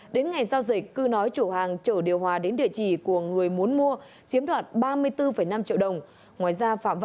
đến ngày giao dịch cư nói chủ hàng chở điều hòa đến địa chỉ của người muốn mua chiếm đoạt ba mươi bốn năm triệu đồng